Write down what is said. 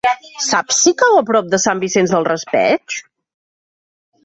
Saps si cau a prop de Sant Vicent del Raspeig?